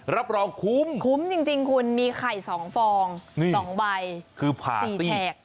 รับรองคุ้มคุ้มจริงคุณมีไข่๒ฟอง๒ใบคือผัก๔แขก